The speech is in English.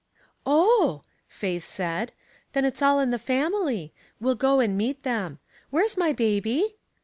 "Oh," Faith said, "then it's all in the family. We'll go and meet them. Where's my baby?"